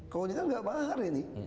kalau ini kan gak mahar ini